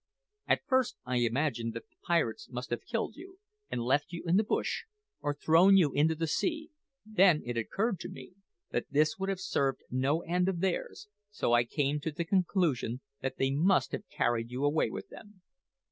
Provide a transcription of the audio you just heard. At first I imagined that the pirates must have killed you, and left you in the bush or thrown you into the sea; then it occurred to me that this would have served no end of theirs, so I came to the conclusion that they must have carried you away with them.